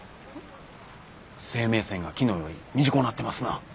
生命線が昨日より短なってますな。